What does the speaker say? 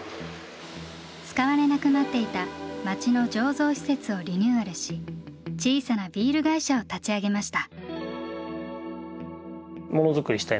使われなくなっていた町の醸造施設をリニューアルし小さなビール会社を立ち上げました。